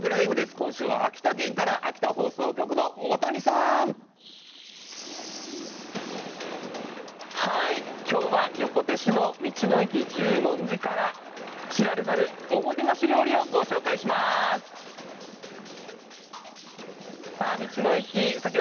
今週は秋田県からきょうは横手市の道の駅十文字から知られざるおもてなし料理をご紹介します。